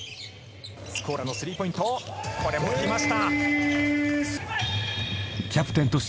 「スコラのスリーポイントこれもきました」